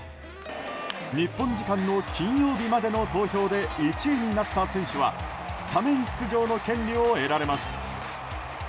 日本時間の金曜日までの投票で１位になった選手はスタメン出場の権利を得られます。